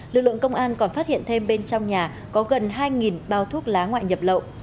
lực lượng công an còn phát hiện thêm bên trong nhà có gần hai bao thuốc lá ngoại nhập lậu